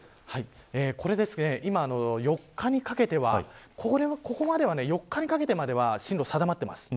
こちらですが４日にかけてまでは進路が定まってます。